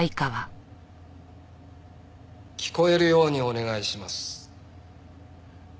聞こえるようにお願いします。